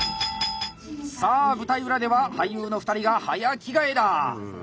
さあ舞台裏では俳優の２人が早着替えだ！